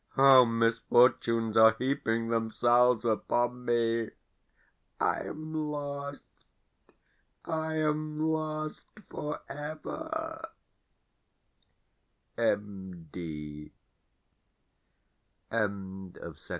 How misfortunes are heaping themselves upon me! I am lost I am lost for ever! M.